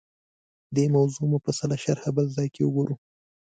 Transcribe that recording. دې موضوع مفصله شرحه بل ځای کې وګورو